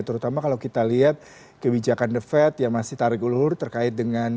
terutama kalau kita lihat kebijakan the fed yang masih tarik ulur terkait dengan